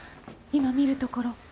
今見るところ。